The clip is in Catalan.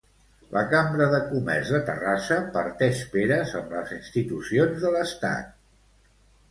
La Cambra de Comerç de Terrassa parteix peres amb les institucions de l'estat.